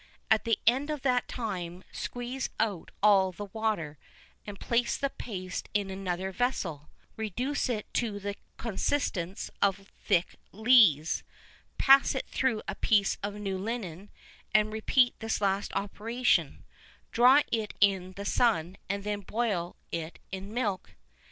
At the end of that time squeeze out all the water, and place the paste in another vessel; reduce it to the consistence of thick lees, pass it through a piece of new linen, and repeat this last operation; dry it in the sun, and then boil it in milk.